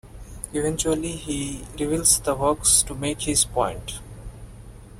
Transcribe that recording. Eventually, he reveals the hoax to make his point.